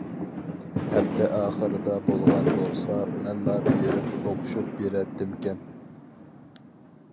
ھەپتە ئاخىرىدا بولغان بولسا مەنلا بېرىپ ئۇقۇشۇپ بېرەتتىمكەن.